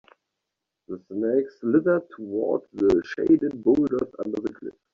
The snake slithered toward the shaded boulders under the cliff.